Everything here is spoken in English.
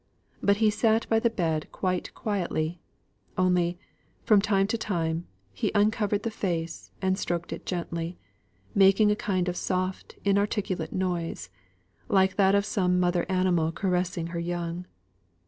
But he sate by the bed quite quietly; only, from time to time, he uncovered the face, and stroked it gently, making a kind of soft inarticulate noise, like that of some mother animal caressing her young.